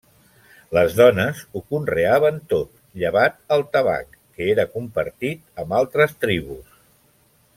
Les dones ho conreaven tot llevat el tabac, que era compartit amb altres tribus.